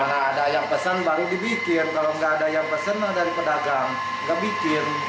nah ada yang pesan baru dibikin kalau nggak ada yang pesan dari pedagang nggak bikin